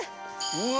うわ！